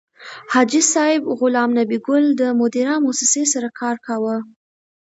حاجي صیب غلام نبي ګل د مدیرا موسسې سره کار کاوه.